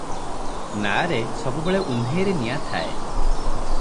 ନାଆରେ ସବୁବେଳେ ଉହ୍ନେଇରେ ନିଆଁ ଥାଏ ।